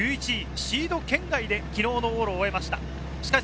シード圏外で昨日の往路を終えました。